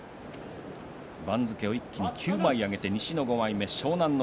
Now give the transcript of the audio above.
番付を一気に９枚上げて西の５枚目、湘南乃